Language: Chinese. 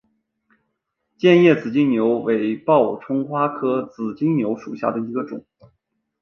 剑叶紫金牛为报春花科紫金牛属下的一个种。